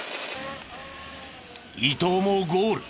伊東もゴール。